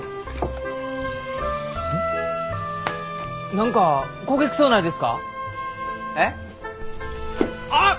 何か焦げ臭うないですか？えっ？あっ！